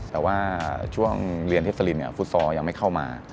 แต่ว่าช่วงเรียนเทศลินฟุตซอลยังไม่เข้ามา